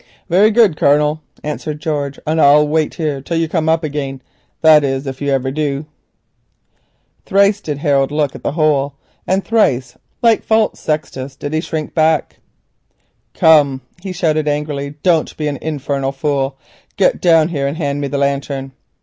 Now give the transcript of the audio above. "Very good, Colonel," answered George, "and I'll wait here till you come up again—that is if you iver du." Thrice did Harold look at the hole in the masonry and thrice did he shrink back. "Come," he shouted angrily, "don't be a fool; get down here and hand me the lantern."